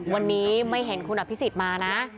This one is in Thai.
วันนี้ไม่เห็นคุณอภิสิทธิ์มานะ